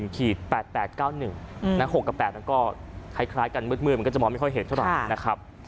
๖๘๘๙๑๖กับ๘มันก็คล้ายกันมืดมันก็จะมองไม่ค่อยเห็นเท่าไหร่นะครับ